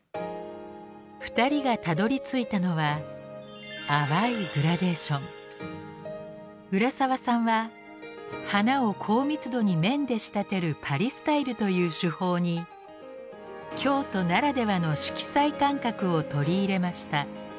２人がたどりついたのは浦沢さんは花を高密度に面で仕立てるパリ・スタイルという手法に京都ならではの色彩感覚を取り入れました。